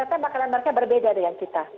ternyata makanan mereka berbeda dengan kita